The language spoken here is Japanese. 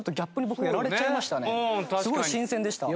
すごい新鮮でした。